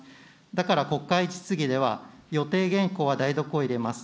だから、国会質疑では、予定原稿は代読を入れます。